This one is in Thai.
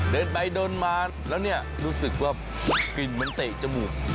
เดินไปโดนมาแล้วนี่รู้สึกว่ากินเหมือนเตะจมูก